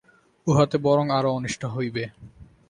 উহাতে বরং আরও অনিষ্ট হইবে।